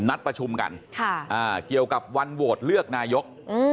นัดประชุมกันเกี่ยวกับวันโหวตเลือกนายก